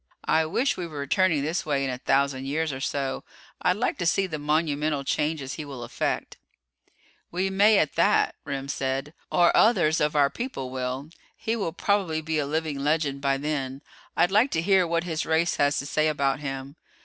"I wish we were returning this way in a thousand years or so. I'd like to see the monumental changes he will effect." "We may at that," Remm said, "or others of our people will. He will probably be a living legend by then. I'd like to hear what his race has to say about him.